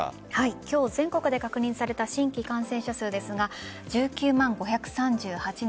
今日全国で確認された新規感染者数ですが１９万５３８人。